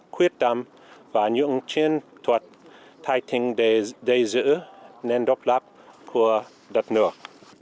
quyết tâm và những chiến thuật thay tình để giữ nền độc lập của đất nước